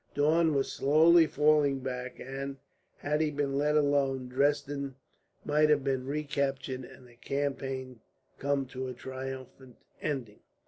Daun was slowly falling back and, had he been let alone, Dresden might have been recaptured and the campaign come to a triumphant ending.